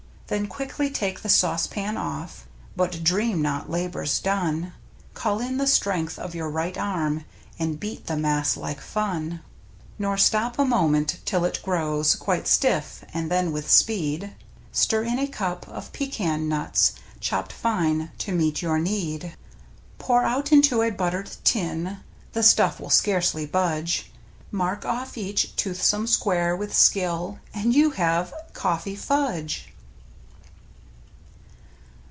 Then quickly take the saucepan off. But dream not labor's done. Call in the strength of your right arm And beat the mass like fun; Nor stop a moment till it grows Quite stiff, and then with speed ^ Stir in a cup of pecan nuts, Chopped fine to meet your need. Pour out into a buttered tin (The stuff will scarcely budge), Mark off each toothsome square with skill, And you have — Coffee Fudge